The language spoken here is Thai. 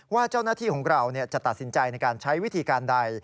ว่าเจ้าหน้าที่ของเราจะตัดสินใจในการใช้วิธีการใด